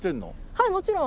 はいもちろん。